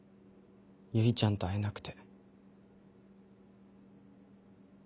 唯ちゃんと会えなくて。